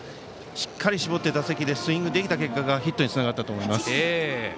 しっかり絞って打席でスイングできた結果がヒットにつながったと思います。